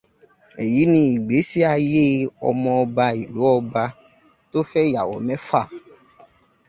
Èyí ni ìgbésí ayé Ọmọọba Ìlú Ọba tó fẹ́ ìyàwó mẹ́fà.